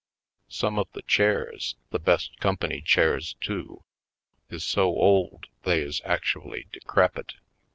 Some of the chairs — the best com pany chairs, too — is so old they is actually decrepit.